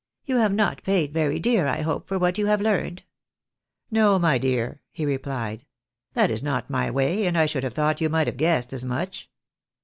" You have not paid very dear, I hope, for what you have learned ?"" No, my dear," he replied, " that is not my way, and I should have thought you might have guessed as much.